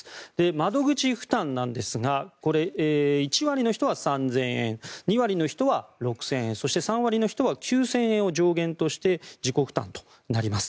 窓口負担なんですが１割の人は３０００円２割の人は６０００円そして、３割の人は９０００円を上限として自己負担となります。